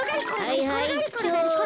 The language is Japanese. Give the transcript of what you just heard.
はいはいっと。